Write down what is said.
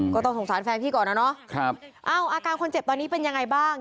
ก็ต้องสงสารแฟนพี่ก่อนนะเนาะเอ้าอาการคนเจ็บตอนนี้เป็นยังไงบ้าง